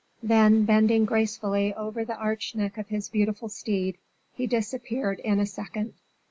Then bending gracefully over the arched neck of his beautiful steed, he disappeared in a second.